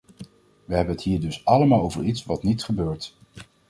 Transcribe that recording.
We hebben het hier dus allemaal over iets wat niet gebeurt.